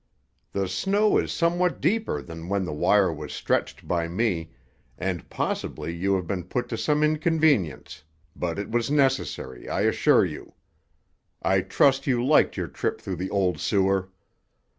The snow is somewhat deeper than when the wire was stretched by me, and possibly you have been put to some inconvenience, but it was necessary, I assure you. I trust you liked your trip through the old sewer.